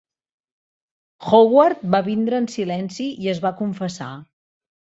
Howard va vindre en silenci i es va confessar.